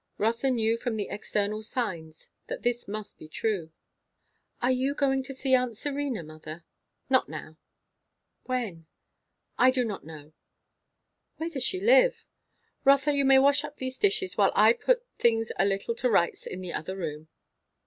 Rotha knew from the external signs that this must be true. "Are you going to see aunt Serena, mother?" "Not now." "When?" "I do not know." "Where does she live?" "Rotha, you may wash up these dishes, while I put things a little to rights in the other room."